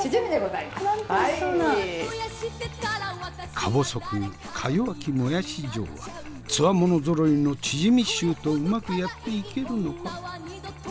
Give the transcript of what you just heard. かぼそくかよわきもやし嬢は強者ぞろいのチヂミ衆とうまくやっていけるのか？